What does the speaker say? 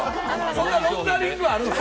そんなロンダリングあるの？